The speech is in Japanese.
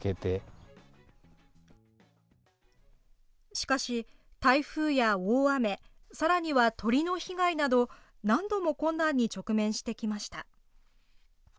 しかし、台風や大雨、さらには鳥の被害など何度も困難に直面してきました。